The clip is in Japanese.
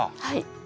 はい。